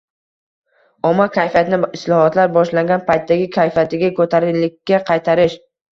– omma kayfiyatini islohotlar boshlangan paytdagi qayfiyatiga – ko‘tarinkilikka qaytarish.